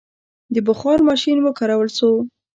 د بخار ماشین وکارول شو.